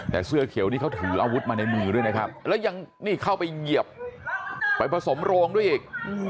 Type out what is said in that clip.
แต่เสื้อเขียวนี่เขาถืออาวุธมาในมือด้วยนะครับแล้วยังนี่เข้าไปเหยียบไปผสมโรงด้วยอีก